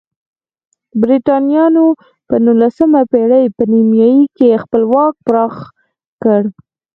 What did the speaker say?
برېټانویانو په نولسمې پېړۍ په نیمایي کې خپل واک پراخ کړ.